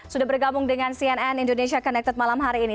sudah bergabung dengan cnn indonesia connected malam hari ini